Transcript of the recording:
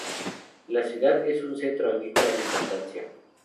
La ciudad es un centro agrícola de importancia.